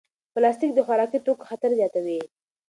پلاستیک د خوراکي توکو خطر زیاتوي.